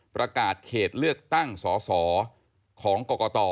ประกาศเขตเลือกตั้งสสของกรกต